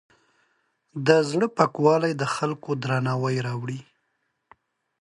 د زړۀ پاکوالی د خلکو درناوی راوړي.